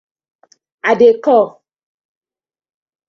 I dey kom.